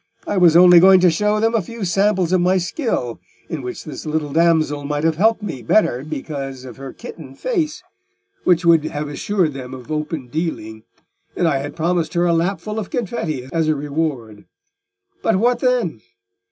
I was only going to show them a few samples of my skill, in which this little damsel might have helped me the better because of her kitten face, which would have assured them of open dealing; and I had promised her a lapful of confetti as a reward. But what then?